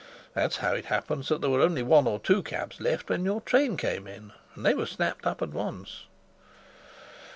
That's how it happens that there were only one or two cabs left when your train came in, and they were snapped up at once."